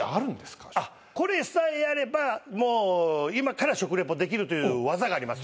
これさえあれば今から食リポできるという技があります。